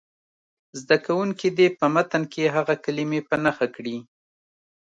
زده کوونکي دې په متن کې هغه کلمې په نښه کړي.